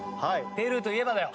ペルーといえばだよ。